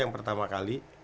yang pertama kali